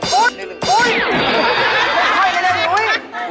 ไม่ค่อยจะเล่นหนุ้ย